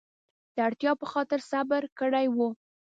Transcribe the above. د اړتیا په خاطر صبر کړی و.